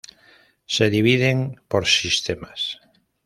Se dividen por sistemas.